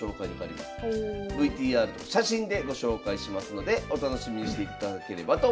ＶＴＲと写真でご紹介しますのでお楽しみにしていただければと思います。